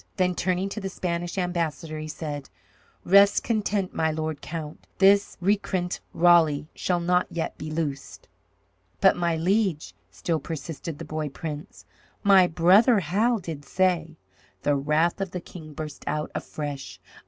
Then turning to the Spanish ambassador, he said: "Rest content, my lord count. This recreant Raleigh shall not yet be loosed." "But, my liege," still persisted the boy prince, "my brother Hal did say " The wrath of the King burst out afresh.